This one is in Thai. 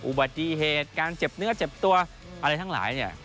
อุบัติเหตุการเจ็บเนื้อเจ็บตัวอะไรทั้งหลายเนี่ย